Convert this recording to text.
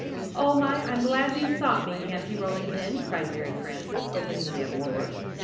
"] "Oh, my, I'm glad you 'thought me,' Aunty Rolling Pin," cried Mary Frances, opening the oven door.